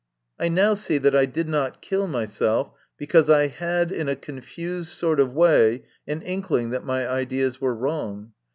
I now see that I did not kill myself because I had, in a confused sort of way, an inkling that my ideas were wrong.